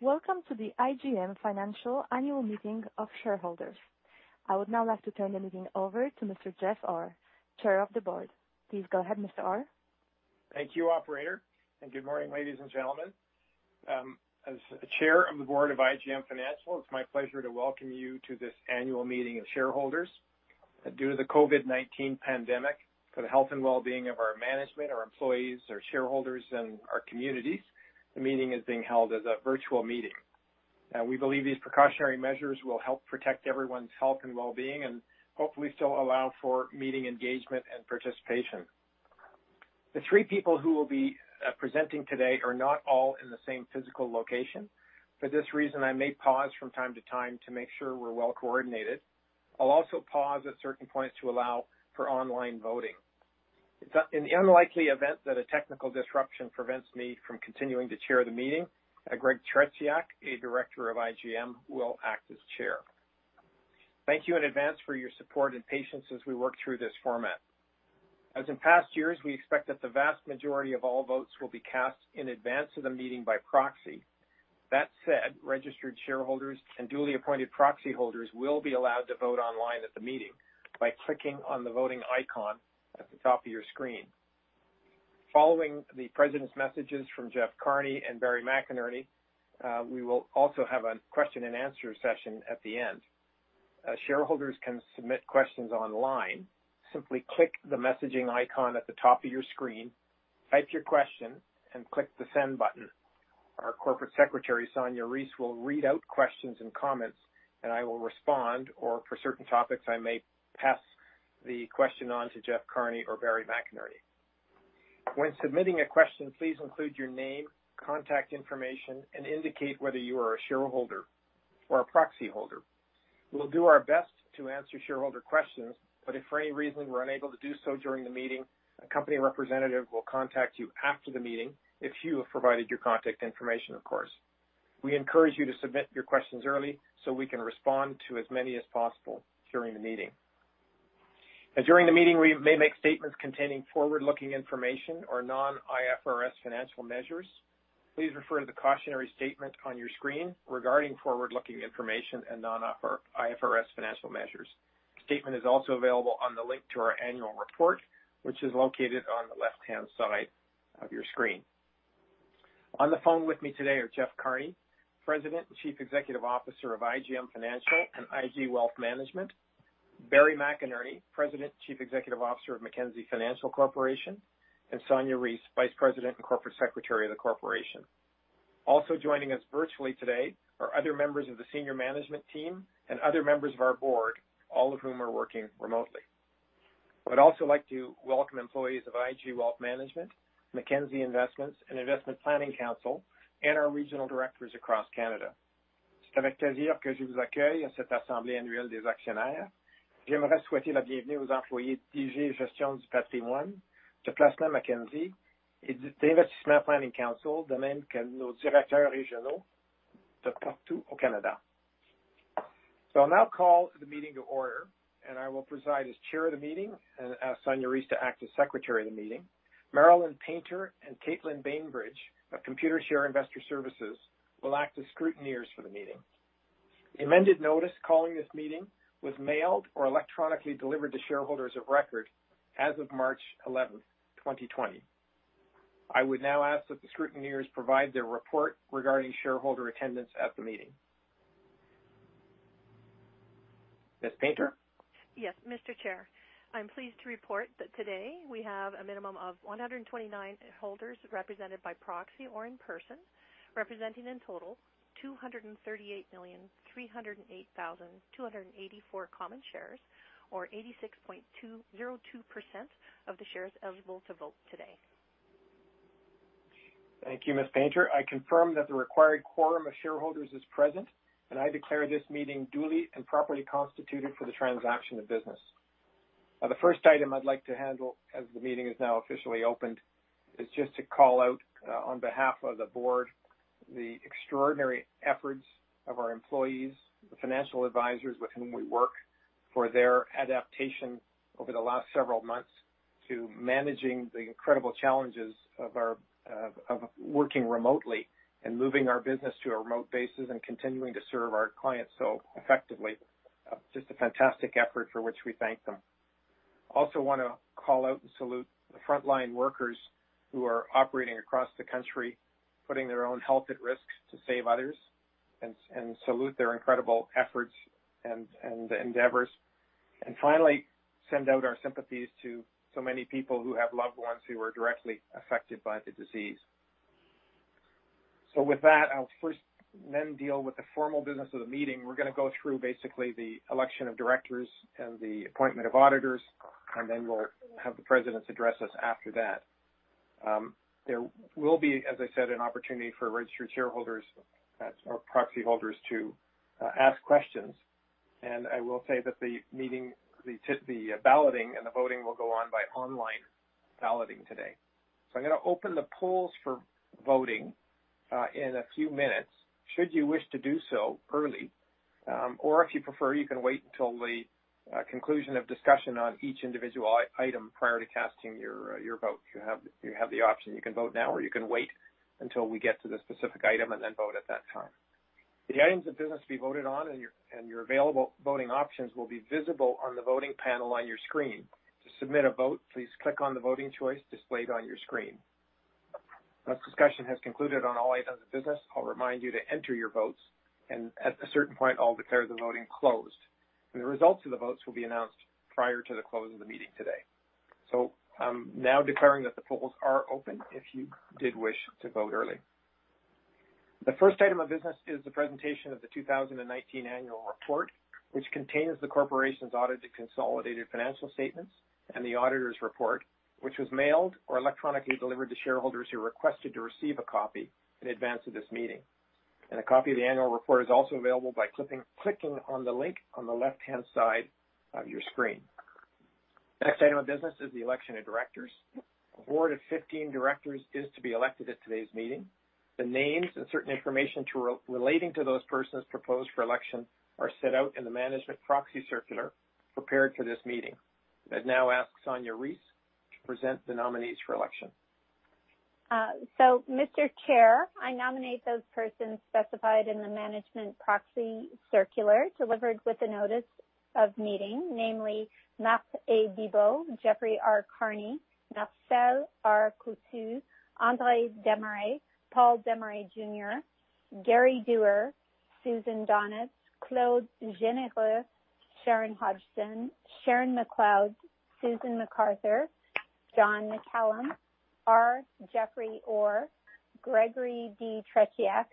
Welcome to the IGM Financial Annual Meeting of Shareholders. I would now like to turn the meeting over to Mr. Jeff Orr, Chair of the Board. Please go ahead, Mr. Orr. Thank you, operator, and good morning, ladies and gentlemen. As Chair of the Board of IGM Financial, it's my pleasure to welcome you to this annual meeting of shareholders. Due to the COVID-19 pandemic, for the health and well-being of our management, our employees, our shareholders, and our communities, the meeting is being held as a virtual meeting. Now, we believe these precautionary measures will help protect everyone's health and well-being and hopefully still allow for meeting engagement and participation. The three people who will be presenting today are not all in the same physical location. For this reason, I may pause from time to time to make sure we're well coordinated. I'll also pause at certain points to allow for online voting. In the unlikely event that a technical disruption prevents me from continuing to chair the meeting, Greg Tretiak, a director of IGM, will act as chair. Thank you in advance for your support and patience as we work through this format. As in past years, we expect that the vast majority of all votes will be cast in advance of the meeting by proxy. That said, registered shareholders and duly appointed proxy holders will be allowed to vote online at the meeting by clicking on the voting icon at the top of your screen. Following the president's messages from Jeff Carney and Barry McInerney, we will also have a question and answer session at the end. Shareholders can submit questions online. Simply click the messaging icon at the top of your screen, type your question, and click the Send button. Our corporate secretary, Sonya Reiss, will read out questions and comments, and I will respond, or for certain topics, I may pass the question on to Jeff Carney or Barry McInerney. When submitting a question, please include your name, contact information, and indicate whether you are a shareholder or a proxy holder. We'll do our best to answer shareholder questions, but if for any reason we're unable to do so during the meeting, a company representative will contact you after the meeting, if you have provided your contact information, of course. We encourage you to submit your questions early, so we can respond to as many as possible during the meeting. During the meeting, we may make statements containing forward-looking information or non-IFRS financial measures. Please refer to the cautionary statement on your screen regarding forward-looking information and non-IFRS financial measures. The statement is also available on the link to our annual report, which is located on the left-hand side of your screen. On the phone with me today are Jeff Carney, President and Chief Executive Officer of IGM Financial and IG Wealth Management, Barry McInerney, President and Chief Executive Officer of Mackenzie Financial Corporation, and Sonya Reiss, Vice President and Corporate Secretary of the corporation. Also joining us virtually today are other members of the senior management team and other members of our board, all of whom are working remotely. I'd also like to welcome employees of IG Wealth Management, Mackenzie Investments, and Investment Planning Council, and our regional directors across Canada. I'll now call the meeting to order, and I will preside as chair of the meeting and ask Sonya Reiss to act as secretary of the meeting. Marilyn Painter and Caitlin Bainbridge of Computershare Investor Services will act as scrutineers for the meeting. The amended notice calling this meeting was mailed or electronically delivered to shareholders of record as of March 11, 2020. I would now ask that the scrutineers provide their report regarding shareholder attendance at the meeting. Ms. Painter? Yes, Mr. Chair. I'm pleased to report that today we have a minimum of 129 holders represented by proxy or in person, representing in total 238,308,284 common shares, or 86.202% of the shares eligible to vote today. Thank you, Ms. Painter. I confirm that the required quorum of shareholders is present, and I declare this meeting duly and properly constituted for the transaction of business. The first item I'd like to handle as the meeting is now officially opened, is just to call out, on behalf of the board, the extraordinary efforts of our employees, the financial advisors with whom we work, for their adaptation over the last several months to managing the incredible challenges of our, of working remotely and moving our business to a remote basis and continuing to serve our clients so effectively. Just a fantastic effort for which we thank them. Also want to call out and salute the frontline workers who are operating across the country, putting their own health at risk to save others, and, and salute their incredible efforts and, and endeavors. Finally, send out our sympathies to so many people who have loved ones who are directly affected by the disease. With that, I'll first then deal with the formal business of the meeting. We're gonna go through basically the election of directors and the appointment of auditors, and then we'll have the presidents address us after that. There will be, as I said, an opportunity for registered shareholders or proxy holders to ask questions. I will say that the meeting, the balloting and the voting will go on by online balloting today. I'm gonna open the polls for voting in a few minutes. Should you wish to do so early, or if you prefer, you can wait until the conclusion of discussion on each individual item prior to casting your your vote. You have the option. You can vote now, or you can wait until we get to the specific item and then vote at that time. The items of business to be voted on and your available voting options will be visible on the voting panel on your screen. To submit a vote, please click on the voting choice displayed on your screen. Once discussion has concluded on all items of business, I'll remind you to enter your votes, and at a certain point, I'll declare the voting closed, and the results of the votes will be announced prior to the close of the meeting today. I'm now declaring that the polls are open, if you did wish to vote early. The first item of business is the presentation of the 2019 annual report, which contains the corporation's audited consolidated financial statements and the auditor's report, which was mailed or electronically delivered to shareholders who requested to receive a copy in advance of this meeting. A copy of the annual report is also available by clicking on the link on the left-hand side of your screen. Next item of business is the election of directors. A board of 15 directors is to be elected at today's meeting. The names and certain information relating to those persons proposed for election are set out in the management proxy circular prepared for this meeting. I now ask Sonya Reiss to present the nominees for election. So, Mr. Chair, I nominate those persons specified in the management proxy circular, delivered with the notice of meeting, namely, Marc A. Bibeau, Jeffrey R. Carney, Marcel R. Coutu, André Desmarais, Paul Desmarais, Jr., Gary Doer, Susan Doniz, Claude Généreux, Sharon Hodgson, Sharon MacLeod, Susan McArthur, John McCallum, R. Jeffrey Orr, Gregory D. Tretiak,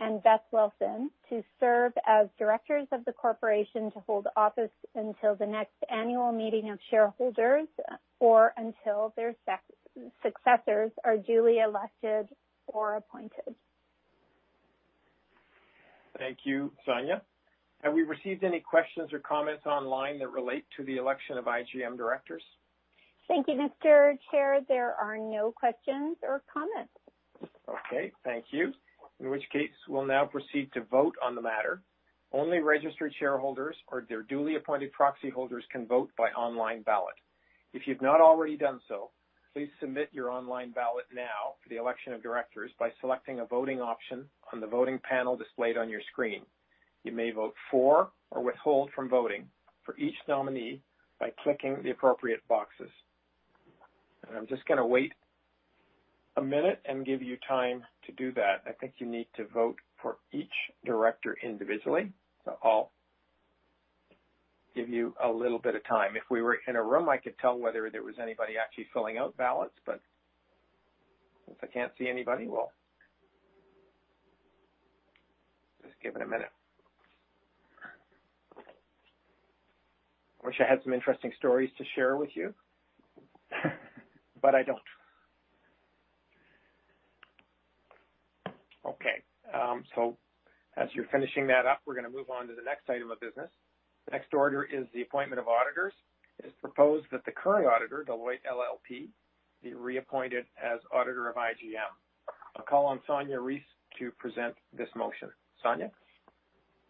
and Beth Wilson, to serve as directors of the corporation, to hold office until the next annual meeting of shareholders or until their successors are duly elected or appointed. Thank you, Sonya. Have we received any questions or comments online that relate to the election of IGM directors? Thank you, Mr. Chair. There are no questions or comments. Okay. Thank you. In which case, we'll now proceed to vote on the matter. Only registered shareholders or their duly appointed proxy holders can vote by online ballot. If you've not already done so, please submit your online ballot now for the election of directors by selecting a voting option on the voting panel displayed on your screen. You may vote for or withhold from voting for each nominee by clicking the appropriate boxes. And I'm just gonna wait a minute and give you time to do that. I think you need to vote for each director individually, so I'll give you a little bit of time. If we were in a room, I could tell whether there was anybody actually filling out ballots, but since I can't see anybody, we'll just give it a minute. I wish I had some interesting stories to share with you, but I don't. Okay, so as you're finishing that up, we're gonna move on to the next item of business. The next order is the appointment of auditors. It is proposed that the current auditor, Deloitte LLP, be reappointed as auditor of IGM. I'll call on Sonya Reiss to present this motion. Sonya?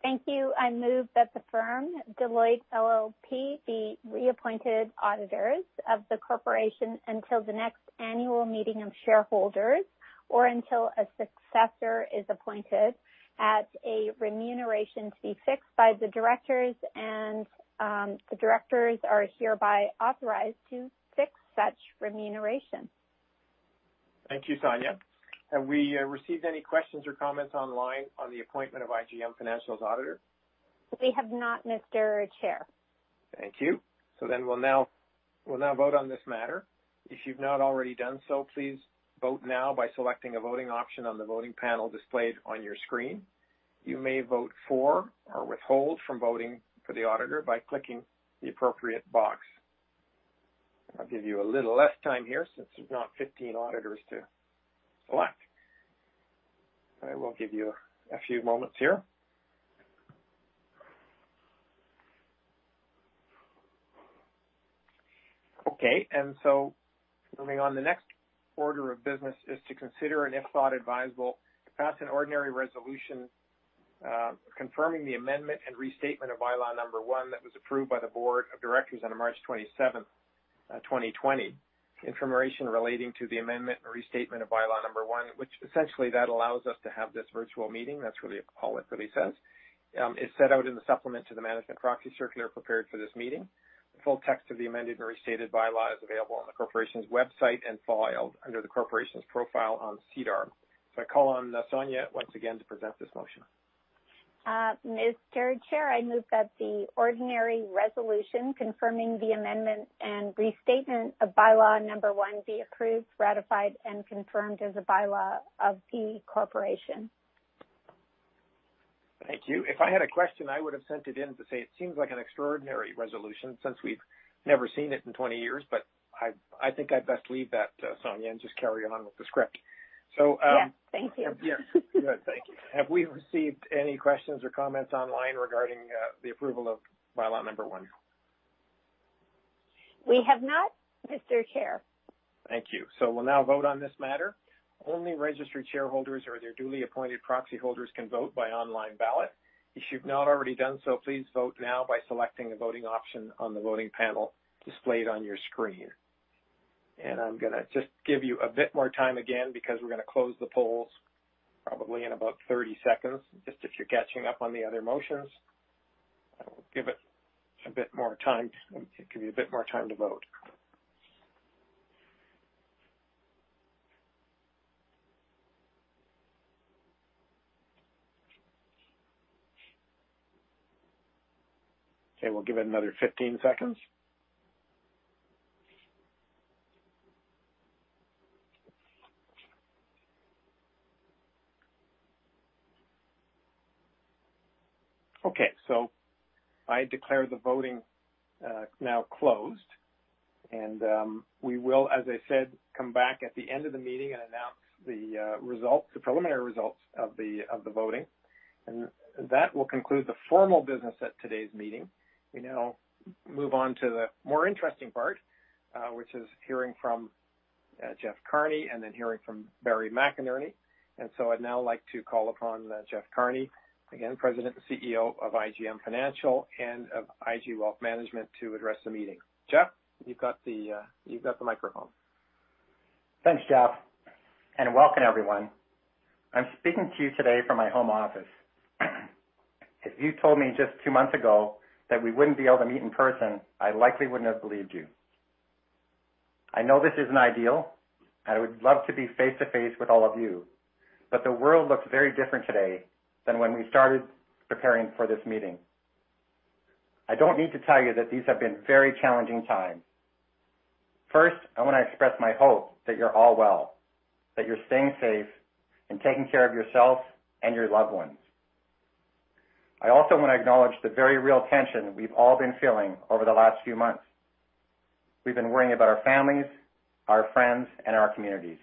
Thank you. I move that the firm, Deloitte LLP, be reappointed auditors of the corporation until the next annual meeting of shareholders or until a successor is appointed at a remuneration to be fixed by the directors, and, the directors are hereby authorized to fix such remuneration. Thank you, Sonya. Have we received any questions or comments online on the appointment of IGM Financial's auditor? We have not, Mr. Chair. Thank you. So then we'll now vote on this matter. If you've not already done so, please vote now by selecting a voting option on the voting panel displayed on your screen. You may vote for or withhold from voting for the auditor by clicking the appropriate box. I'll give you a little less time here, since there's not 15 auditors to select. I will give you a few moments here. Okay, and so moving on, the next order of business is to consider, and if thought advisable, to pass an ordinary resolution confirming the amendment and restatement of Bylaw Number 1 that was approved by the board of directors on March 27th, 2020. Information relating to the amendment and restatement of Bylaw Number 1, which essentially that allows us to have this virtual meeting, that's really all it really says, is set out in the supplement to the management proxy circular prepared for this meeting. The full text of the amended and restated bylaw is available on the corporation's website and filed under the corporation's profile on SEDAR. So I call on Sonya once again to present this motion. Mr. Chair, I move that the ordinary resolution confirming the amendment and restatement of Bylaw Number 1 be approved, ratified, and confirmed as a bylaw of the corporation. Thank you. If I had a question, I would have sent it in to say it seems like an extraordinary resolution, since we've never seen it in 20 years, but I, I think I'd best leave that to Sonya and just carry on with the script. So, Yeah. Thank you. Yes. Good. Thank you. Have we received any questions or comments online regarding the approval of Bylaw Number 1? We have not, Mr. Chair. Thank you. So we'll now vote on this matter. Only registered shareholders or their duly appointed proxy holders can vote by online ballot. If you've not already done so, please vote now by selecting the voting option on the voting panel displayed on your screen. And I'm gonna just give you a bit more time again, because we're gonna close the polls probably in about 30 seconds, just if you're catching up on the other motions. I will give it a bit more time, give you a bit more time to vote. Okay, we'll give it another 15 seconds. Okay, so I declare the voting now closed, and we will, as I said, come back at the end of the meeting and announce the results, the preliminary results of the voting. And that will conclude the formal business at today's meeting. We now move on to the more interesting part, which is hearing from Jeff Carney, and then hearing from Barry McInerney. And so I'd now like to call upon Jeff Carney, again, President and CEO of IGM Financial and of IG Wealth Management, to address the meeting. Jeff, you've got the, you've got the microphone. Thanks, Jeff, and welcome, everyone. I'm speaking to you today from my home office. If you told me just two months ago that we wouldn't be able to meet in person, I likely wouldn't have believed you. I know this isn't ideal, and I would love to be face-to-face with all of you, but the world looks very different today than when we started preparing for this meeting. I don't need to tell you that these have been very challenging times. First, I want to express my hope that you're all well, that you're staying safe, and taking care of yourselves and your loved ones. I also want to acknowledge the very real tension we've all been feeling over the last few months. We've been worrying about our families, our friends, and our communities.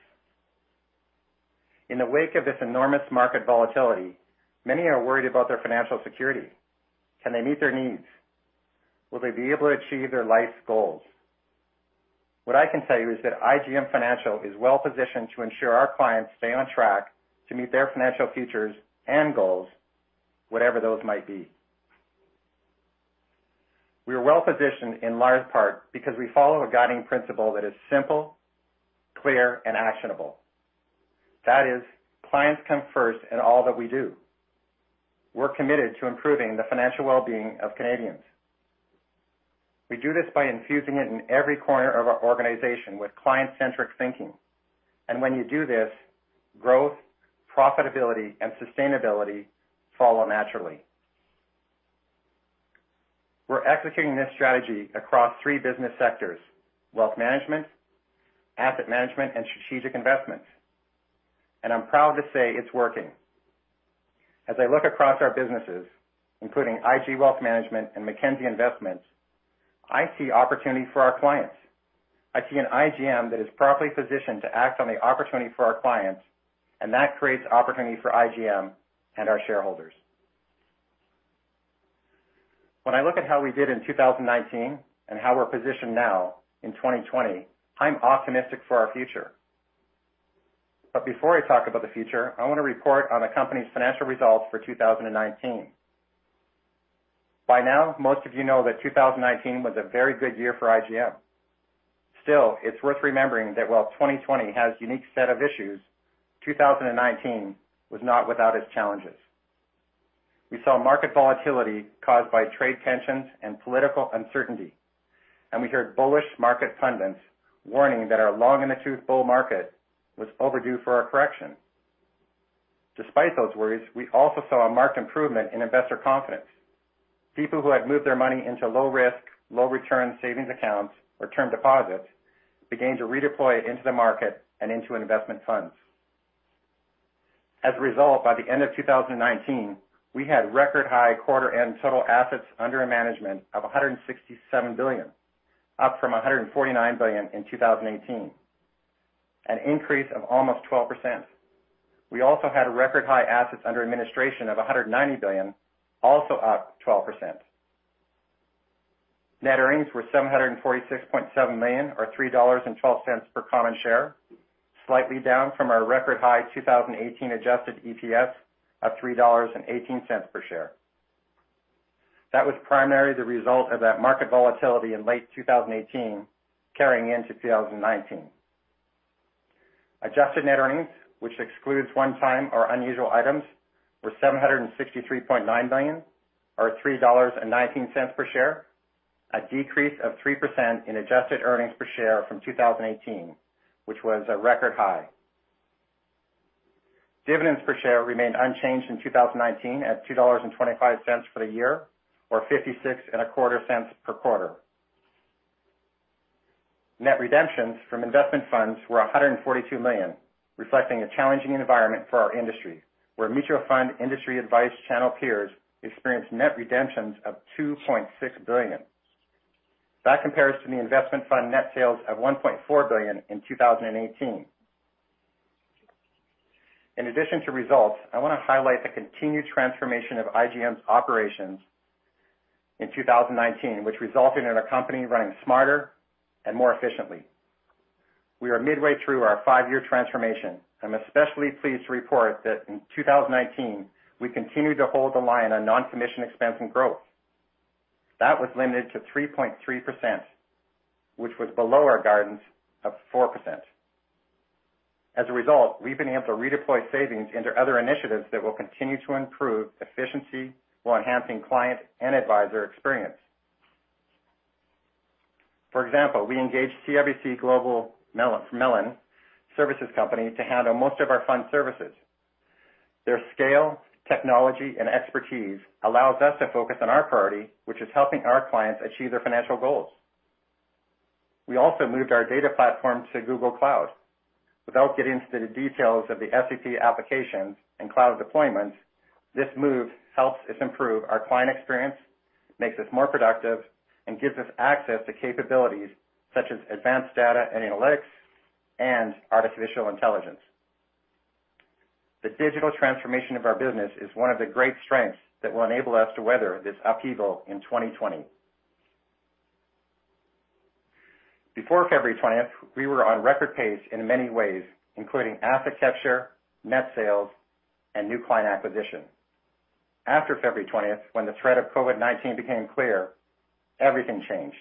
In the wake of this enormous market volatility, many are worried about their financial security. Can they meet their needs? Will they be able to achieve their life's goals? What I can tell you is that IGM Financial is well positioned to ensure our clients stay on track to meet their financial futures and goals, whatever those might be. We are well positioned in large part because we follow a guiding principle that is simple, clear, and actionable. That is, clients come first in all that we do. We're committed to improving the financial well-being of Canadians. We do this by infusing it in every corner of our organization with client-centric thinking. And when you do this, growth, profitability, and sustainability follow naturally. We're executing this strategy across three business sectors: wealth management, asset management, and strategic investments. And I'm proud to say it's working. As I look across our businesses, including IG Wealth Management and Mackenzie Investments, I see opportunity for our clients. I see an IGM that is properly positioned to act on the opportunity for our clients, and that creates opportunity for IGM and our shareholders. When I look at how we did in 2019 and how we're positioned now in 2020, I'm optimistic for our future. But before I talk about the future, I want to report on the company's financial results for 2019. By now, most of you know that 2019 was a very good year for IGM. Still, it's worth remembering that while 2020 has a unique set of issues, 2019 was not without its challenges. We saw market volatility caused by trade tensions and political uncertainty, and we heard bullish market pundits warning that our long-in-the-tooth bull market was overdue for a correction. Despite those worries, we also saw a marked improvement in investor confidence. People who had moved their money into low-risk, low-return savings accounts or term deposits began to redeploy it into the market and into investment funds. As a result, by the end of 2019, we had record high quarter-end total assets under management of CAD 167 billion, up from CAD 149 billion in 2018, an increase of almost 12%. We also had record high assets under administration of 190 billion, also up 12%. Net earnings were 746.7 million, or 3.12 dollars per common share, slightly down from our record high 2018 adjusted EPS of 3.18 dollars per share. That was primarily the result of that market volatility in late 2018 carrying into 2019. Adjusted net earnings, which excludes one-time or unusual items, were 763.9 billion, or 3.19 dollars per share, a decrease of 3% in adjusted earnings per share from 2018, which was a record high. Dividends per share remained unchanged in 2019 at 2.25 dollars for the year or 0.5625 per quarter. Net redemptions from investment funds were 142 million, reflecting a challenging environment for our industry, where mutual fund industry advice channel peers experienced net redemptions of 2.6 billion. That compares to the investment fund net sales of 1.4 billion in 2018.... In addition to results, I wanna highlight the continued transformation of IGM's operations in 2019, which resulted in our company running smarter and more efficiently. We are midway through our five-year transformation. I'm especially pleased to report that in 2019, we continued to hold the line on non-commission expense and growth. That was limited to 3.3%, which was below our guidance of 4%. As a result, we've been able to redeploy savings into other initiatives that will continue to improve efficiency while enhancing client and advisor experience. For example, we engaged CIBC Mellon Services Company to handle most of our fund services. Their scale, technology, and expertise allows us to focus on our priority, which is helping our clients achieve their financial goals. We also moved our data platform to Google Cloud. Without getting into the details of the SAP applications and cloud deployments, this move helps us improve our client experience, makes us more productive, and gives us access to capabilities such as advanced data and analytics and artificial intelligence. The digital transformation of our business is one of the great strengths that will enable us to weather this upheaval in 2020. Before February 20th, we were on record pace in many ways, including asset capture, net sales, and new client acquisition. After February 20th, when the threat of COVID-19 became clear, everything changed.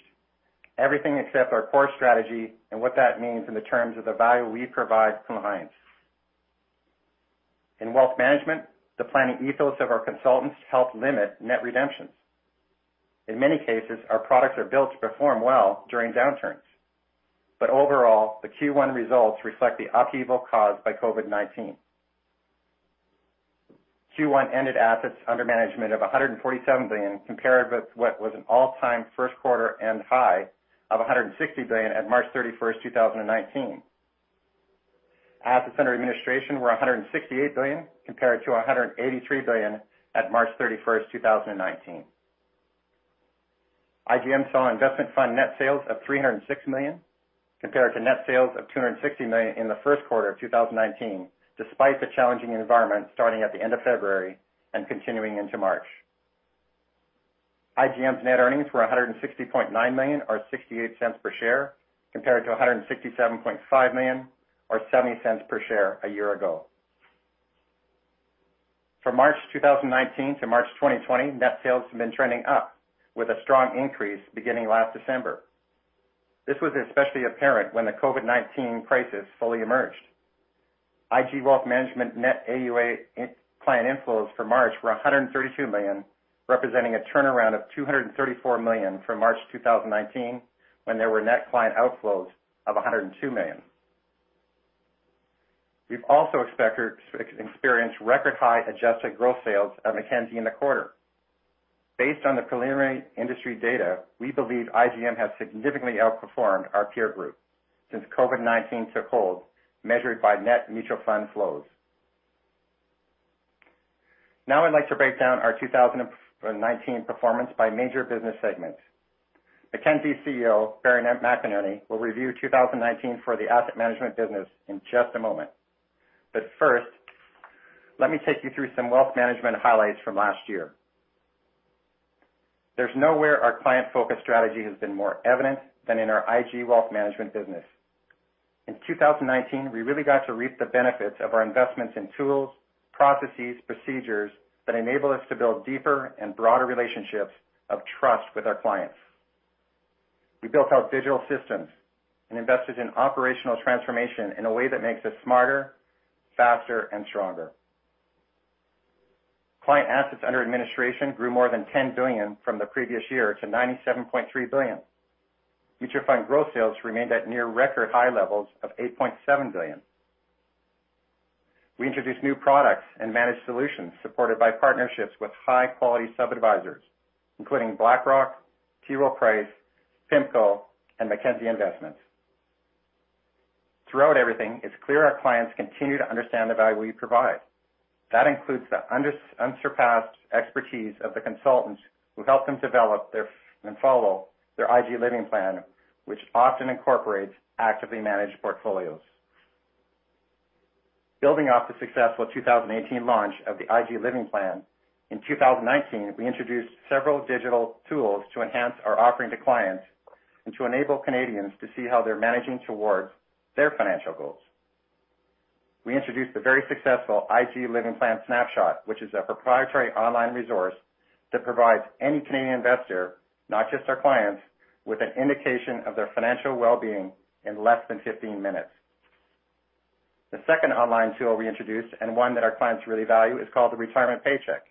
Everything except our core strategy and what that means in the terms of the value we provide to clients. In wealth management, the planning ethos of our consultants helped limit net redemptions. In many cases, our products are built to perform well during downturns. But overall, the Q1 results reflect the upheaval caused by COVID-19. Q1 ended assets under management of CAD 147 billion, compared with what was an all-time first quarter and high of CAD 160 billion at March 31, 2019. Assets under administration were CAD 168 billion, compared to CAD 183 billion at March 31, 2019. IGM saw investment fund net sales of 306 million, compared to net sales of 260 million in the first quarter of 2019, despite the challenging environment starting at the end of February and continuing into March. IGM's net earnings were 160.9 million, or 0.68 per share, compared to 167.5 million or 0.70 per share a year ago. From March 2019 to March 2020, net sales have been trending up with a strong increase beginning last December. This was especially apparent when the COVID-19 crisis fully emerged. IG Wealth Management net AUA client inflows for March were 132 million, representing a turnaround of 234 million from March 2019, when there were net client outflows of 102 million. We've also experienced record-high adjusted growth sales at Mackenzie in the quarter. Based on the preliminary industry data, we believe IGM has significantly outperformed our peer group since COVID-19 took hold, measured by net mutual fund flows. Now, I'd like to break down our 2019 performance by major business segments. Mackenzie CEO Barry McInerney will review 2019 for the asset management business in just a moment. First, let me take you through some wealth management highlights from last year. There's nowhere our client-focused strategy has been more evident than in our IG Wealth Management business. In 2019, we really got to reap the benefits of our investments in tools, processes, procedures that enable us to build deeper and broader relationships of trust with our clients. We built out digital systems and invested in operational transformation in a way that makes us smarter, faster, and stronger. Client assets under administration grew more than CAD 10 billion from the previous year to CAD 97.3 billion. Mutual fund growth sales remained at near record high levels of CAD 8.7 billion. We introduced new products and managed solutions supported by partnerships with high-quality sub-advisors, including BlackRock, T. Rowe Price, PIMCO, and Mackenzie Investments. Throughout everything, it's clear our clients continue to understand the value we provide. That includes the unsurpassed expertise of the consultants who help them develop their, and follow their IG Living Plan, which often incorporates actively managed portfolios. Building off the successful 2018 launch of the IG Living Plan, in 2019, we introduced several digital tools to enhance our offering to clients and to enable Canadians to see how they're managing towards their financial goals. We introduced the very successful IG Living Plan Snapshot, which is a proprietary online resource that provides any Canadian investor, not just our clients, with an indication of their financial well-being in less than 15 minutes. The second online tool we introduced, and one that our clients really value, is called the Retirement Paycheck.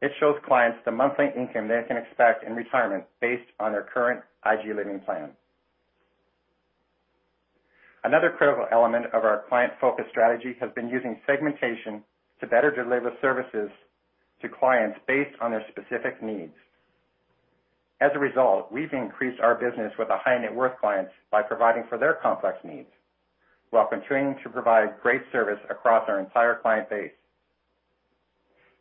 It shows clients the monthly income they can expect in retirement based on their current IG Living Plan. Another critical element of our client-focused strategy has been using segmentation to better deliver services to clients based on their specific needs. As a result, we've increased our business with a high net worth clients by providing for their complex needs, while continuing to provide great service across our entire client base.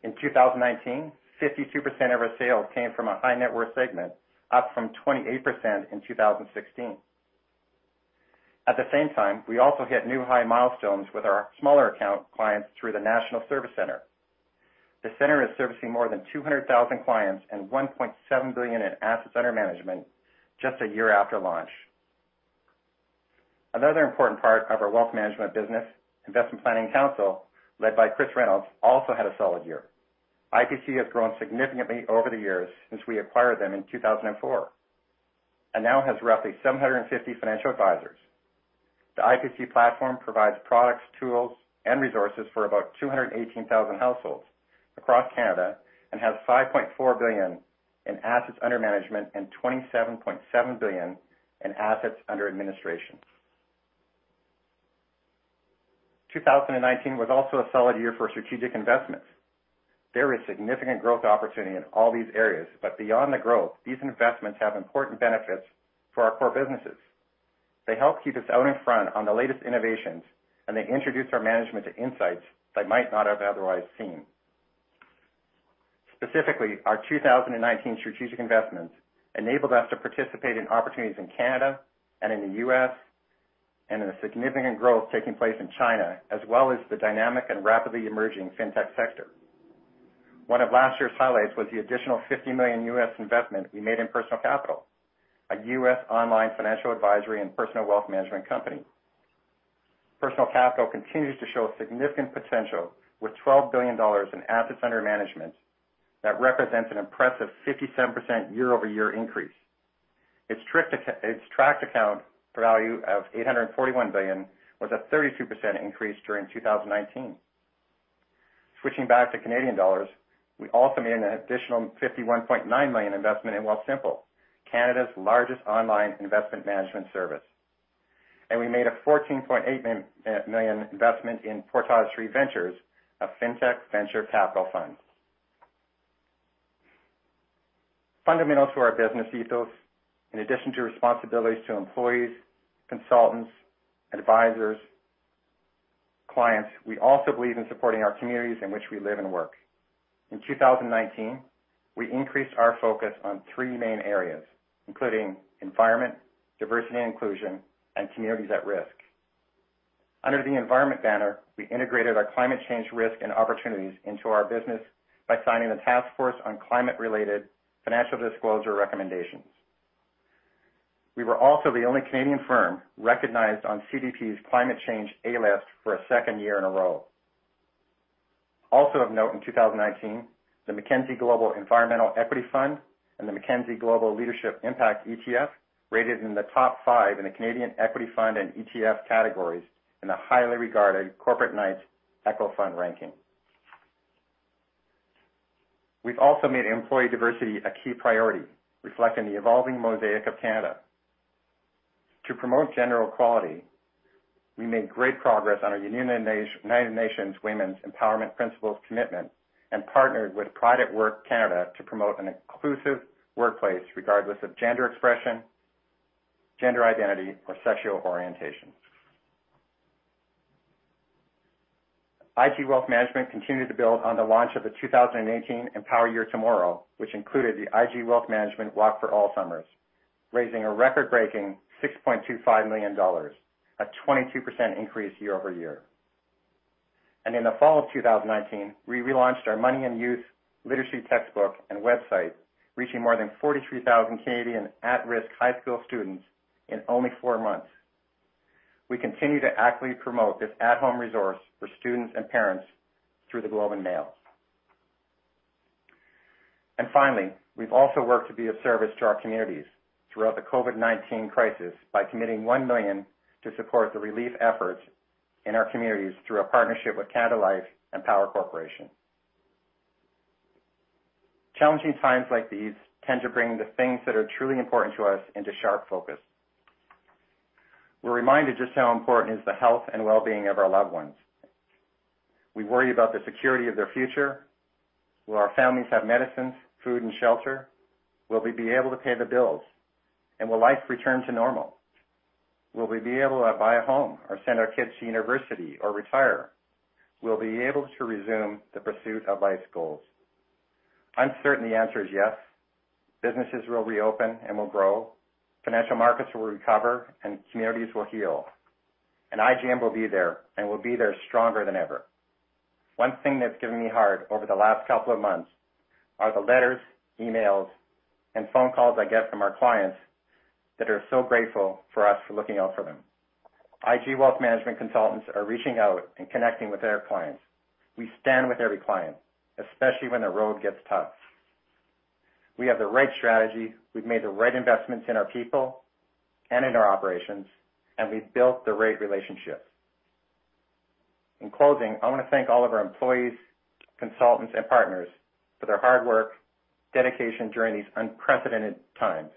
In 2019, 52% of our sales came from a high net worth segment, up from 28% in 2016. At the same time, we also hit new high milestones with our smaller account clients through the National Service Centre. The center is servicing more than 200,000 clients and 1.7 billion in assets under management just a year after launch. Another important part of our wealth management business, Investment Planning Council, led by Chris Reynolds, also had a solid year. IPC has grown significantly over the years since we acquired them in 2004, and now has roughly 750 financial advisors. The IPC platform provides products, tools, and resources for about 218,000 households across Canada, and has 5.4 billion in assets under management and 27.7 billion in assets under administration. 2019 was also a solid year for strategic investments. There is significant growth opportunity in all these areas, but beyond the growth, these investments have important benefits for our core businesses. They help keep us out in front on the latest innovations, and they introduce our management to insights they might not have otherwise seen. Specifically, our 2019 strategic investments enabled us to participate in opportunities in Canada and in the U.S., and in the significant growth taking place in China, as well as the dynamic and rapidly emerging fintech sector. One of last year's highlights was the additional $50 million U.S investment we made in Personal Capital, a U.S. online financial advisory and personal wealth management company. Personal Capital continues to show a significant potential, with $12 billion in assets under management. That represents an impressive 57% year-over-year increase. Its tracked account value of $841 billion was a 32% increase during 2019. Switching back to Canadian dollars, we also made an additional 51.9 million investment in Wealthsimple, Canada's largest online investment management service. We made a 14.8 million investment in Portage Three Ventures, a fintech venture capital fund. Fundamental to our business ethos, in addition to responsibilities to employees, consultants, advisors, clients, we also believe in supporting our communities in which we live and work. In 2019, we increased our focus on three main areas, including environment, diversity and inclusion, and communities at risk. Under the environment banner, we integrated our climate change risk and opportunities into our business by signing the Task Force on Climate-related Financial Disclosures recommendations. We were also the only Canadian firm recognized on CDP's Climate Change A List for a second year in a row. Also of note, in 2019, the Mackenzie Global Environmental Equity Fund and the Mackenzie Global Leadership Impact ETF rated in the top 5 in the Canadian Equity Fund and ETF categories in the highly regarded Corporate Knights Eco-Fund ranking. We've also made employee diversity a key priority, reflecting the evolving mosaic of Canada. To promote general quality, we made great progress on our United Nations Women's Empowerment Principles commitment, and partnered with Pride at Work Canada to promote an inclusive workplace, regardless of gender expression, gender identity, or sexual orientation. IG Wealth Management continued to build on the launch of the 2018 Empower Your Tomorrow, which included the IG Wealth Management Walk for Alzheimer's, raising a record-breaking 6.25 million dollars, a 22% increase year-over-year. In the fall of 2019, we relaunched our Money & Youth literacy textbook and website, reaching more than 43,000 Canadian at-risk high school students in only four months. We continue to actively promote this at-home resource for students and parents through the Globe and Mail. Finally, we've also worked to be of service to our communities throughout the COVID-19 crisis by committing 1 million to support the relief efforts in our communities through a partnership with Canada Life and Power Corporation. Challenging times like these tend to bring the things that are truly important to us into sharp focus. We're reminded just how important is the health and well-being of our loved ones. We worry about the security of their future. Will our families have medicines, food, and shelter? Will we be able to pay the bills? And will life return to normal? Will we be able to buy a home or send our kids to university or retire? Will we be able to resume the pursuit of life's goals? I'm certain the answer is yes. Businesses will reopen and will grow, financial markets will recover, and communities will heal, and IGM will be there, and we'll be there stronger than ever. One thing that's given me heart over the last couple of months are the letters, emails, and phone calls I get from our clients that are so grateful for us for looking out for them. IG Wealth Management consultants are reaching out and connecting with their clients. We stand with every client, especially when the road gets tough. We have the right strategy, we've made the right investments in our people and in our operations, and we've built the right relationships. In closing, I want to thank all of our employees, consultants, and partners for their hard work, dedication during these unprecedented times.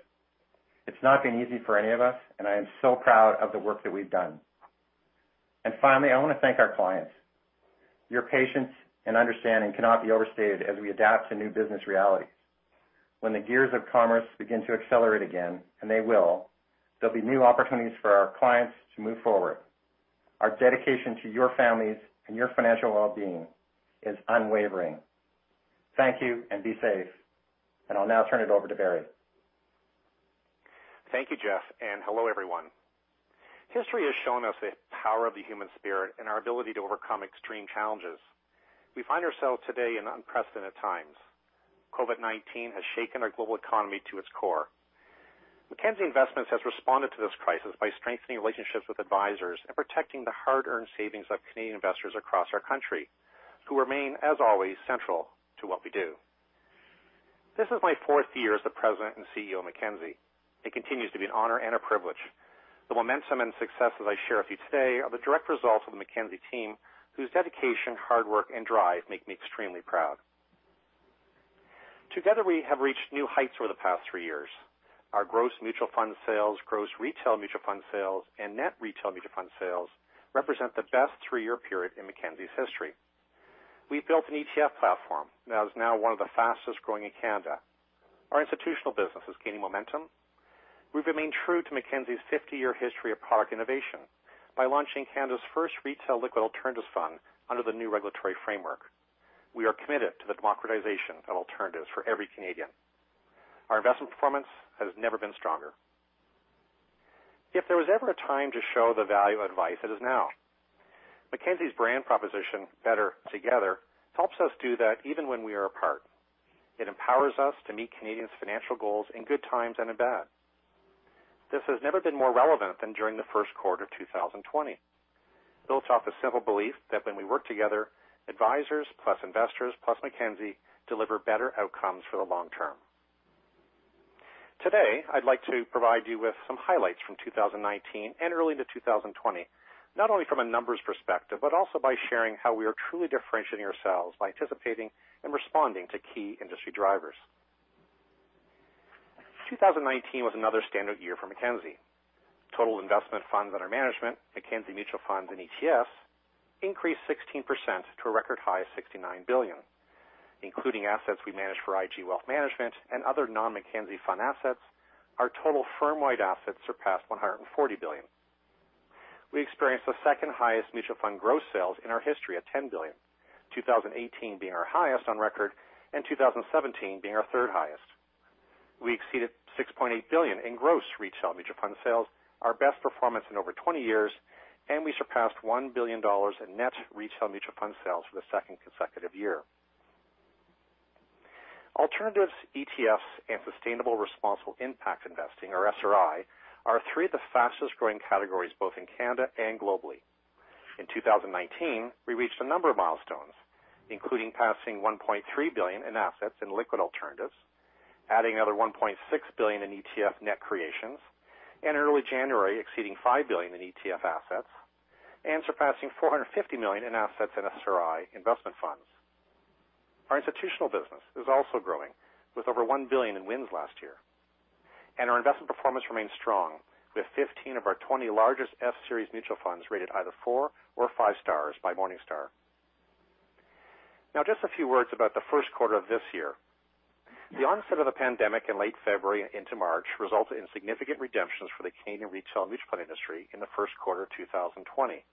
It's not been easy for any of us, and I am so proud of the work that we've done. Finally, I want to thank our clients. Your patience and understanding cannot be overstated as we adapt to new business realities. When the gears of commerce begin to accelerate again, and they will, there'll be new opportunities for our clients to move forward. Our dedication to your families and your financial well-being is unwavering. Thank you, and be safe. I'll now turn it over to Barry. Thank you, Jeff, and hello, everyone. History has shown us the power of the human spirit and our ability to overcome extreme challenges. We find ourselves today in unprecedented times. COVID-19 has shaken our global economy to its core. Mackenzie Investments has responded to this crisis by strengthening relationships with advisors and protecting the hard-earned savings of Canadian investors across our country, who remain, as always, central to what we do. This is my fourth year as the President and CEO of Mackenzie. It continues to be an honor and a privilege. The momentum and successes I share with you today are the direct results of the Mackenzie team, whose dedication, hard work, and drive make me extremely proud. Together, we have reached new heights over the past three years. Our gross mutual fund sales, gross retail mutual fund sales, and net retail mutual fund sales represent the best three-year period in Mackenzie's history. We've built an ETF platform that is now one of the fastest-growing in Canada. Our institutional business is gaining momentum. We've remained true to Mackenzie's 50-year history of product innovation by launching Canada's first retail liquid alternatives fund under the new regulatory framework. We are committed to the democratization of alternatives for every Canadian. Our investment performance has never been stronger. If there was ever a time to show the value of advice, it is now. Mackenzie's brand proposition, Better Together, helps us do that even when we are apart. It empowers us to meet Canadians' financial goals in good times and in bad. This has never been more relevant than during the first quarter of 2020. Built off a simple belief that when we work together, advisors plus investors, plus Mackenzie, deliver better outcomes for the long term. Today, I'd like to provide you with some highlights from 2019 and early into 2020, not only from a numbers perspective, but also by sharing how we are truly differentiating ourselves by anticipating and responding to key industry drivers. 2019 was another standard year for Mackenzie. Total investment funds under management, Mackenzie Mutual Funds and ETFs, increased 16% to a record high of 69 billion. Including assets we managed for IG Wealth Management and other non-Mackenzie fund assets, our total firm-wide assets surpassed 140 billion. We experienced the second-highest mutual fund gross sales in our history at 10 billion, 2018 being our highest on record, and 2017 being our third highest. We exceeded 6.8 billion in gross retail mutual fund sales, our best performance in over 20 years, and we surpassed 1 billion dollars in net retail mutual fund sales for the second consecutive year. Alternatives, ETFs, and sustainable, responsible impact investing, or SRI, are three of the fastest-growing categories, both in Canada and globally. In 2019, we reached a number of milestones, including passing 1.3 billion in assets in liquid alternatives, adding another 1.6 billion in ETF net creations, in early January, exceeding 5 billion in ETF assets, and surpassing 450 million in assets in SRI investment funds. Our institutional business is also growing, with over 1 billion in wins last year, and our investment performance remains strong, with 15 of our 20 largest F-Series mutual funds rated either four or five stars by Morningstar. Now, just a few words about the first quarter of this year. The onset of the pandemic in late February into March resulted in significant redemptions for the Canadian retail mutual fund industry in the first quarter of 2020.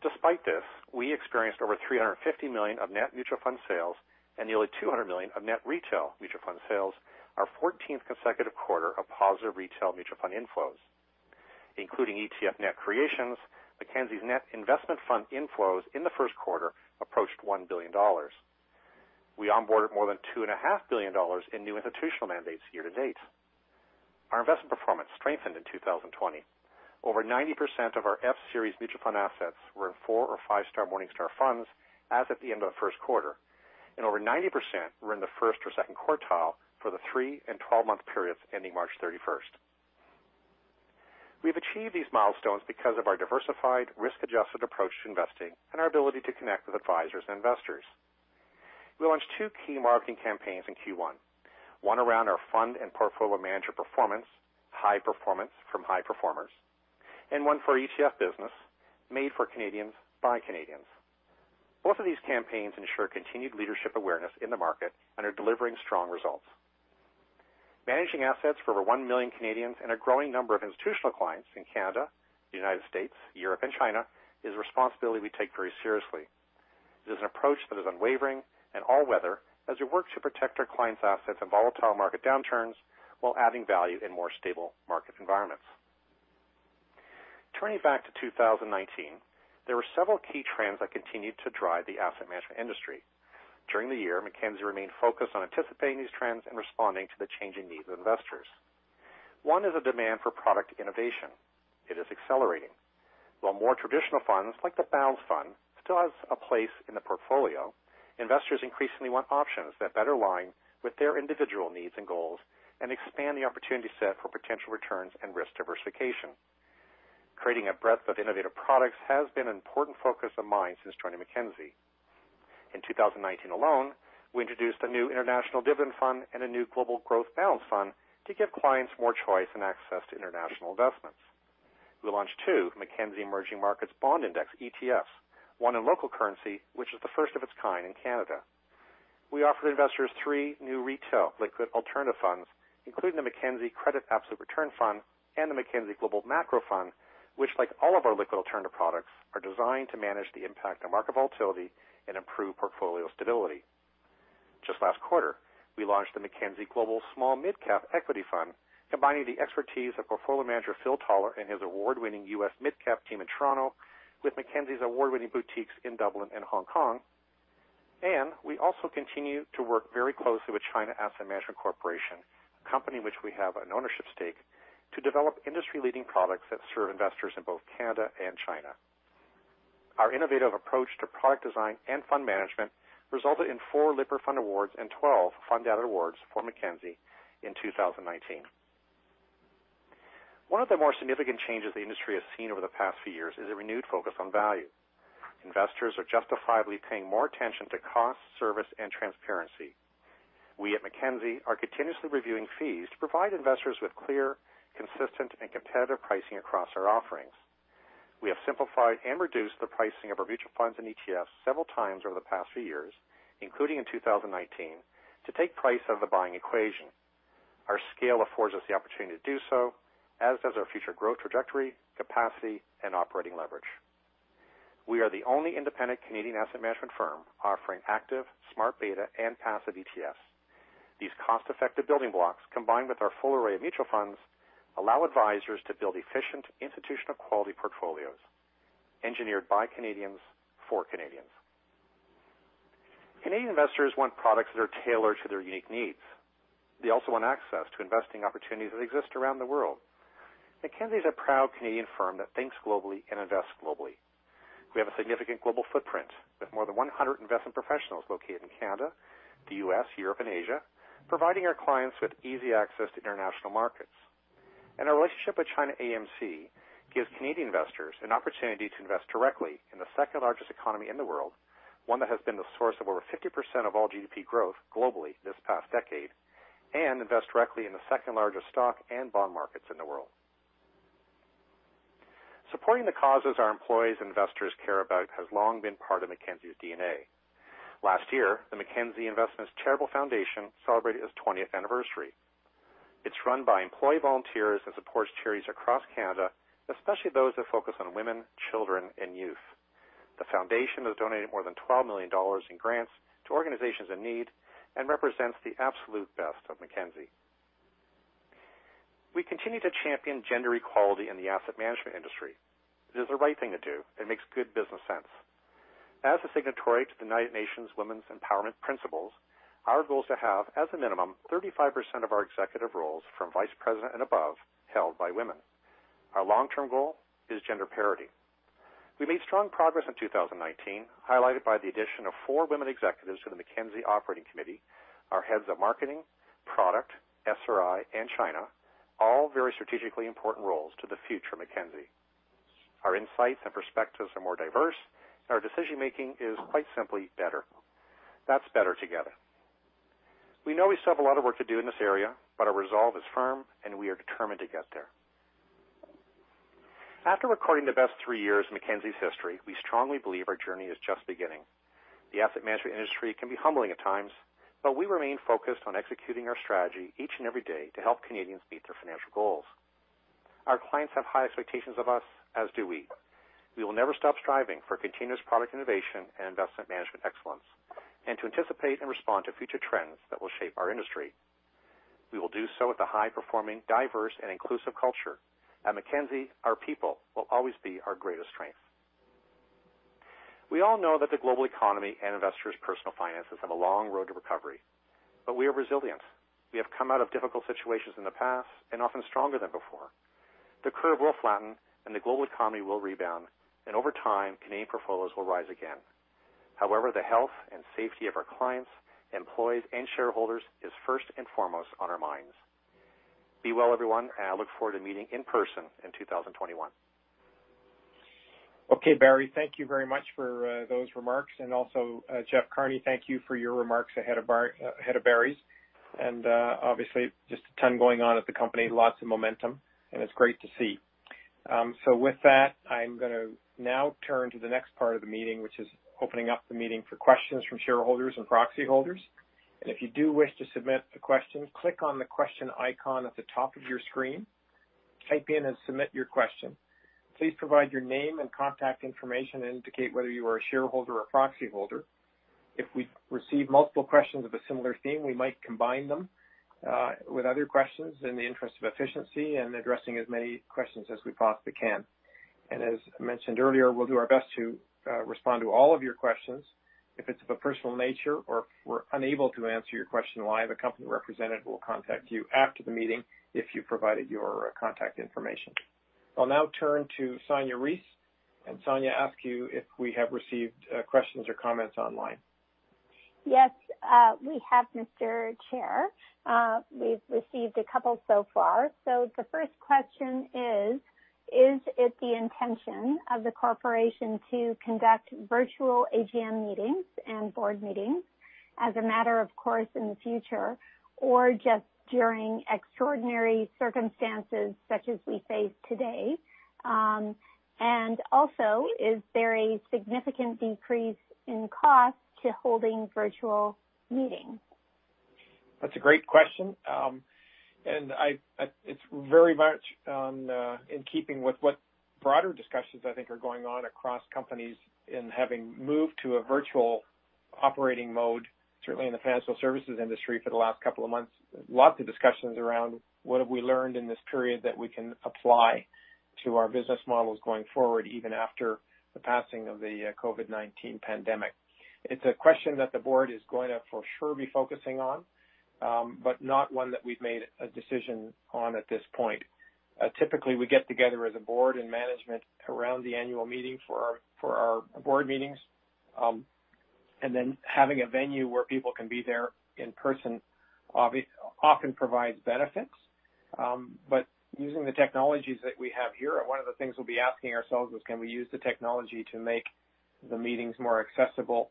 Despite this, we experienced over 350 million of net mutual fund sales and nearly 200 million of net retail mutual fund sales, our 14th consecutive quarter of positive retail mutual fund inflows. Including ETF net creations, Mackenzie's net investment fund inflows in the first quarter approached 1 billion dollars. We onboarded more than 2.5 billion dollars in new institutional mandates year-to-date. Our investment performance strengthened in 2020. Over 90% of our F-Series mutual fund assets were in four- or five-star Morningstar funds as at the end of the first quarter, and over 90% were in the first or second quartile for the three- and 12-month periods ending March 31st. We've achieved these milestones because of our diversified, risk-adjusted approach to investing and our ability to connect with advisors and investors. We launched two key marketing campaigns in Q1, one around our fund and portfolio manager performance, High Performance from High Performers, and one for our ETF business, Made for Canadians by Canadians. Both of these campaigns ensure continued leadership awareness in the market and are delivering strong results. Managing assets for over 1 million and a growing number of institutional clients in Canada, the United States, Europe, and China, is a responsibility we take very seriously. It is an approach that is unwavering and all-weather, as we work to protect our clients' assets in volatile market downturns while adding value in more stable market environments. Turning back to 2019, there were several key trends that continued to drive the asset management industry. During the year, Mackenzie remained focused on anticipating these trends and responding to the changing needs of investors. One is a demand for product innovation. It is accelerating. While more traditional funds, like the Balanced Fund, still has a place in the portfolio, investors increasingly want options that better align with their individual needs and goals, and expand the opportunity set for potential returns and risk diversification. Creating a breadth of innovative products has been an important focus of mine since joining Mackenzie. In 2019 alone, we introduced a new international dividend fund and a new global growth balance fund to give clients more choice and access to international investments.... We launched two Mackenzie Emerging Markets Bond Index ETFs, one in local currency, which is the first of its kind in Canada. We offered investors three new retail liquid alternative funds, including the Mackenzie Credit Absolute Return Fund and the Mackenzie Global Macro Fund, which, like all of our liquid alternative products, are designed to manage the impact of market volatility and improve portfolio stability. Just last quarter, we launched the Mackenzie Global Small-Mid Cap Equity Fund, combining the expertise of portfolio manager, Phil Taller, and his award-winning U.S. mid-cap team in Toronto, with Mackenzie's award-winning boutiques in Dublin and Hong Kong. We also continue to work very closely with China Asset Management Corporation, a company in which we have an ownership stake, to develop industry-leading products that serve investors in both Canada and China. Our innovative approach to product design and fund management resulted in four Lipper Fund Awards and 12 Fundata Awards for Mackenzie in 2019. One of the more significant changes the industry has seen over the past few years is a renewed focus on value. Investors are justifiably paying more attention to cost, service, and transparency. We, at Mackenzie, are continuously reviewing fees to provide investors with clear, consistent, and competitive pricing across our offerings. We have simplified and reduced the pricing of our mutual funds and ETFs several times over the past few years, including in 2019, to take price out of the buying equation. Our scale affords us the opportunity to do so, as does our future growth trajectory, capacity, and operating leverage. We are the only independent Canadian asset management firm offering active, smart beta, and passive ETFs. These cost-effective building blocks, combined with our full array of mutual funds, allow advisors to build efficient, institutional-quality portfolios, engineered by Canadians for Canadians. Canadian investors want products that are tailored to their unique needs. They also want access to investing opportunities that exist around the world. Mackenzie is a proud Canadian firm that thinks globally and invests globally. We have a significant global footprint, with more than 100 investment professionals located in Canada, the U.S., Europe, and Asia, providing our clients with easy access to international markets. Our relationship with ChinaAMC gives Canadian investors an opportunity to invest directly in the second-largest economy in the world, one that has been the source of over 50% of all GDP growth globally this past decade, and invest directly in the second-largest stock and bond markets in the world. Supporting the causes our employees and investors care about has long been part of Mackenzie's DNA. Last year, the Mackenzie Investments Charitable Foundation celebrated its 20th anniversary. It's run by employee volunteers and supports charities across Canada, especially those that focus on women, children, and youth. The foundation has donated more than 12 million dollars in grants to organizations in need and represents the absolute best of Mackenzie. We continue to champion gender equality in the asset management industry. It is the right thing to do, and makes good business sense. As a signatory to the United Nations Women's Empowerment Principles, our goal is to have, as a minimum, 35% of our executive roles from vice president and above, held by women. Our long-term goal is gender parity. We made strong progress in 2019, highlighted by the addition of four women executives to the Mackenzie Operating Committee, our heads of marketing, product, SRI, and China, all very strategically important roles to the future of Mackenzie. Our insights and perspectives are more diverse, and our decision-making is, quite simply, better. That's better together. We know we still have a lot of work to do in this area, but our resolve is firm, and we are determined to get there. After recording the best three years in Mackenzie's history, we strongly believe our journey is just beginning. The asset management industry can be humbling at times, but we remain focused on executing our strategy each and every day to help Canadians meet their financial goals. Our clients have high expectations of us, as do we. We will never stop striving for continuous product innovation and investment management excellence, and to anticipate and respond to future trends that will shape our industry. We will do so with a high-performing, diverse, and inclusive culture. At Mackenzie, our people will always be our greatest strength. We all know that the global economy and investors' personal finances have a long road to recovery, but we are resilient. We have come out of difficult situations in the past, and often stronger than before. The curve will flatten, and the global economy will rebound, and over time, Canadian portfolios will rise again. However, the health and safety of our clients, employees, and shareholders is first and foremost on our minds. Be well, everyone, and I look forward to meeting in person in 2021. Okay, Barry, thank you very much for those remarks. And also, Jeff Carney, thank you for your remarks ahead of Barry's. And obviously, just a ton going on at the company, lots of momentum, and it's great to see. So with that, I'm gonna now turn to the next part of the meeting, which is opening up the meeting for questions from shareholders and proxy holders. And if you do wish to submit a question, click on the Question icon at the top of your screen, type in, and submit your question. Please provide your name and contact information, and indicate whether you are a shareholder or proxy holder. If we receive multiple questions of a similar theme, we might combine them with other questions in the interest of efficiency and addressing as many questions as we possibly can. As mentioned earlier, we'll do our best to respond to all of your questions. If it's of a personal nature or if we're unable to answer your question, the company representative will contact you after the meeting, if you provided your contact information. I'll now turn to Sonya Reiss, and Sonya, I ask you if we have received questions or comments online? Yes, we have, Mr. Chair. We've received a couple so far. So the first question is: Is it the intention of the corporation to conduct virtual IGM meetings and board meetings as a matter of course, in the future, or just during extraordinary circumstances such as we face today? And also, is there a significant decrease in cost to holding virtual meetings? That's a great question. And it's very much in keeping with what broader discussions I think are going on across companies in having moved to a virtual operating mode, certainly in the financial services industry for the last couple of months. Lots of discussions around what have we learned in this period that we can apply to our business models going forward, even after the passing of the COVID-19 pandemic. It's a question that the board is going to for sure be focusing on, but not one that we've made a decision on at this point. Typically, we get together as a board and management around the annual meeting for our board meetings. And then having a venue where people can be there in person often provides benefits. But using the technologies that we have here, and one of the things we'll be asking ourselves is, can we use the technology to make the meetings more accessible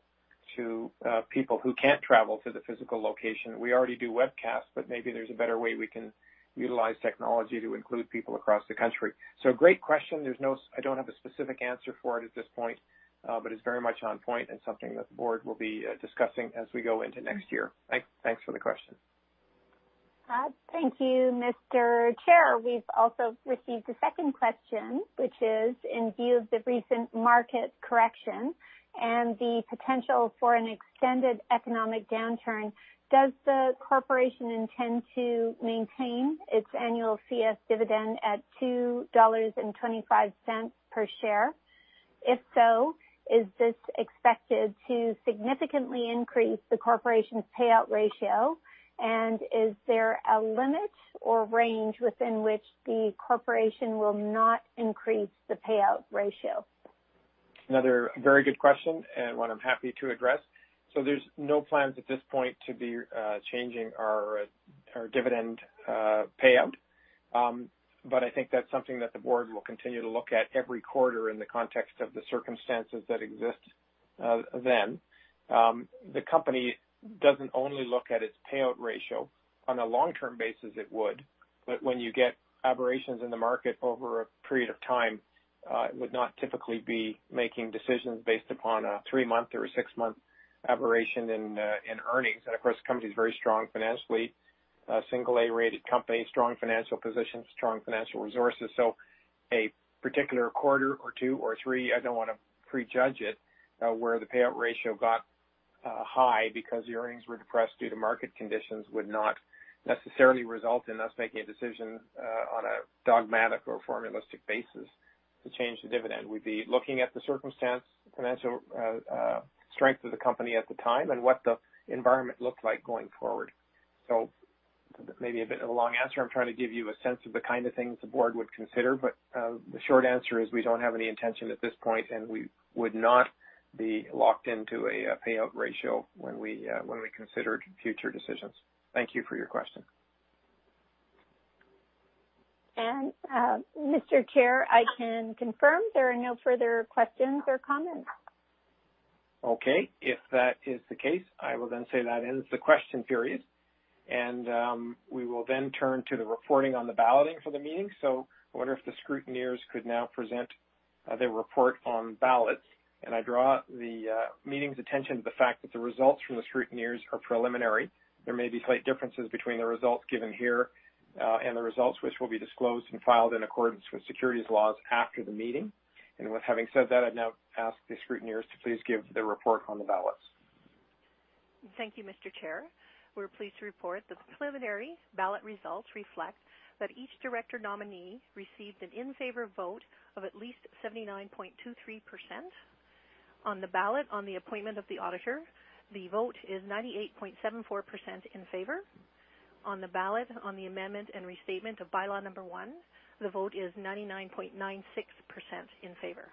to people who can't travel to the physical location? We already do webcasts, but maybe there's a better way we can utilize technology to include people across the country. So great question. There's no. I don't have a specific answer for it at this point, but it's very much on point and something that the board will be discussing as we go into next year. Thanks for the question. Thank you, Mr. Chair. We've also received a second question, which is: In view of the recent market correction and the potential for an extended economic downturn, does the corporation intend to maintain its annual CS dividend at 2.25 dollars per share? If so, is this expected to significantly increase the corporation's payout ratio? And is there a limit or range within which the corporation will not increase the payout ratio? Another very good question, and one I'm happy to address. So there's no plans at this point to be changing our dividend payout. But I think that's something that the board will continue to look at every quarter in the context of the circumstances that exist then. The company doesn't only look at its payout ratio. On a long-term basis, it would, but when you get aberrations in the market over a period of time, it would not typically be making decisions based upon a three-month or a six-month aberration in earnings. And of course, the company's very strong financially, Single-A rated company, strong financial position, strong financial resources. So a particular quarter or two or three, I don't wanna prejudge it, where the payout ratio got high because the earnings were depressed due to market conditions, would not necessarily result in us making a decision on a dogmatic or formulaic basis to change the dividend. We'd be looking at the circumstance, financial strength of the company at the time, and what the environment looks like going forward. So maybe a bit of a long answer. I'm trying to give you a sense of the kind of things the board would consider, but the short answer is we don't have any intention at this point, and we would not be locked into a payout ratio when we consider future decisions. Thank you for your question. Mr. Chair, I can confirm there are no further questions or comments. Okay. If that is the case, I will then say that ends the question period, and we will then turn to the reporting on the balloting for the meeting. So I wonder if the scrutineers could now present their report on ballots. I draw the meeting's attention to the fact that the results from the scrutineers are preliminary. There may be slight differences between the results given here and the results which will be disclosed and filed in accordance with securities laws after the meeting. With having said that, I'd now ask the scrutineers to please give their report on the ballots. Thank you, Mr. Chair. We're pleased to report the preliminary ballot results reflect that each director nominee received an in-favor vote of at least 79.23%. On the ballot on the appointment of the auditor, the vote is 98.74% in favor. On the ballot, on the amendment and restatement of Bylaw Number 1, the vote is 99.96% in favor.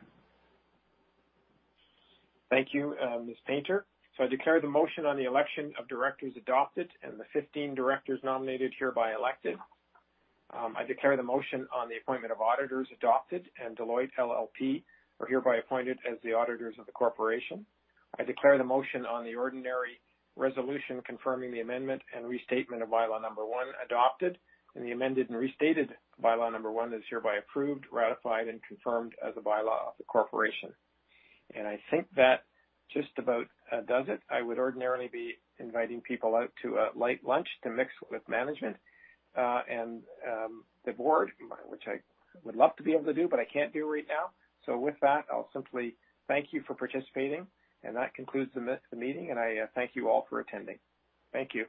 Thank you, Ms. Painter. So I declare the motion on the election of directors adopted, and the 15 directors nominated hereby elected. I declare the motion on the appointment of auditors adopted, and Deloitte LLP are hereby appointed as the auditors of the corporation. I declare the motion on the ordinary resolution confirming the amendment and restatement of Bylaw Number 1 adopted, and the amended and restated bylaw number 1 is hereby approved, ratified, and confirmed as a bylaw of the corporation. And I think that just about does it. I would ordinarily be inviting people out to a light lunch to mix with management, and the board, which I would love to be able to do, but I can't do right now. So with that, I'll simply thank you for participating, and that concludes the meeting, and I thank you all for attending. Thank you.